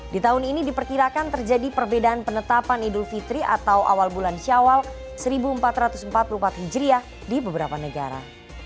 di tahun ini diperkirakan terjadi perbedaan penetapan idul fitri atau awal bulan syawal seribu empat ratus empat puluh empat hijriah di beberapa negara